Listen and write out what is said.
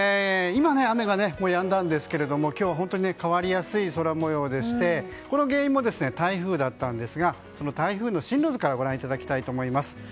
今、雨がもうやんだんですけど今日は本当に変わりやすい空模様でしてこの原因も台風だったんですがその台風の進路図からご覧いただきたいと思います。